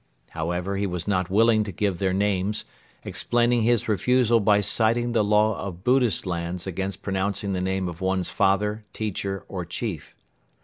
However, he was not willing to give their names, explaining his refusal by citing the Law of Buddhist lands against pronouncing the name of one's father, teacher or chief.